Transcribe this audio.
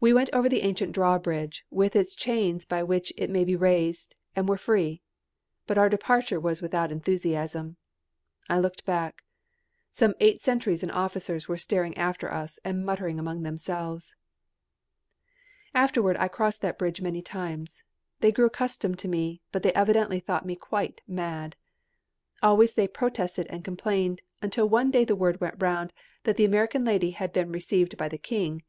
We went over the ancient drawbridge, with its chains by which it may be raised, and were free. But our departure was without enthusiasm. I looked back. Some eight sentries and officers were staring after us and muttering among themselves. Afterward I crossed that bridge many times. They grew accustomed to me, but they evidently thought me quite mad. Always they protested and complained, until one day the word went round that the American lady had been received by the King.